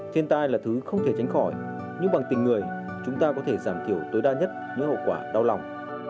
thiên tai là thứ không thể tránh khỏi nhưng bằng tình người chúng ta có thể giảm thiểu tối đa nhất những hậu quả đau lòng